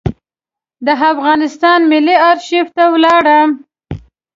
د افغانستان ملي آرشیف ته ولاړم.